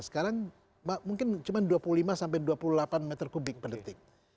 sekarang mungkin cuma dua puluh lima sampai dua puluh delapan meter kubik per detik